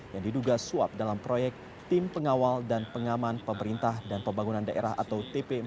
yang diduga suap dalam proyek tim pengawal dan pengaman pemerintah dan pembangunan daerah atau tp empat